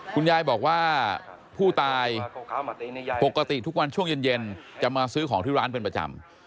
คุณยายบอกว่าผู้ตายปกติทุกวันช่วงเย็นจะมาซื้อของที่ร้านเป็นประจำ